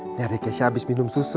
ini dekesya abis minum susu